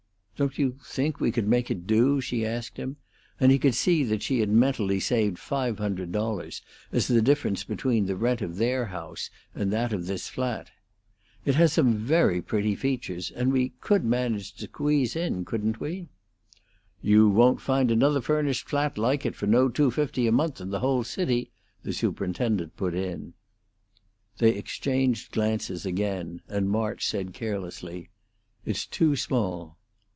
"Don't you think we could make it do?" she asked him, and he could see that she had mentally saved five hundred dollars as the difference between the rent of their house and that of this flat. "It has some very pretty features, and we could manage to squeeze in, couldn't we?" "You won't find another furnished flat like it for no two fifty a month in the whole city," the superintendent put in. They exchanged glances again, and March said, carelessly, "It's too small."